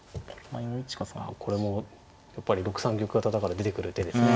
これもやっぱり６三玉型だから出てくる手ですね。